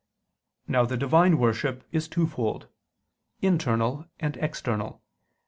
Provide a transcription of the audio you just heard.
Now the Divine worship is twofold: internal, and external.